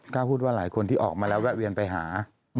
ก็พูดว่าหลายคนที่ออกมาแล้วแวะเวียนไปหา